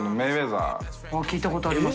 聞いたことあります。